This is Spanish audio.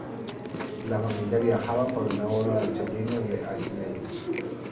La familia viajaba para una boda del sobrino de Agnelli.